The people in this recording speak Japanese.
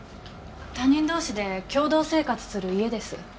他人同士で共同生活する家です。